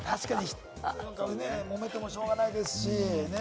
もめてもしょうがないですし。